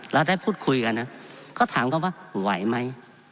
แล้วได้พูดคุยกันนะก็ถามเขาว่าไหวไหม